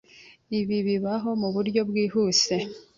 Ibi bibaho muburyo bwihuse.